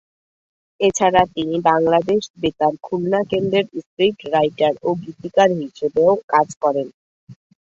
এ ছাড়া তিনি বাংলাদেশ বেতার খুলনা কেন্দ্রের স্ক্রিপ্ট রাইটার ও গীতিকার হিসেবেও কাজ করেন।